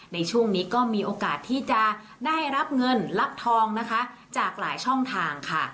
ในช่วงนี้ก็มีโอกาสที่จะได้รับเงินรับทองนะคะจากหลายช่องทางค่ะ